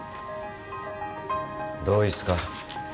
同一か？